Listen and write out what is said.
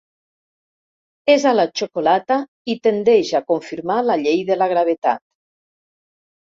És a la xocolata i tendeix a confirmar la llei de la gravetat.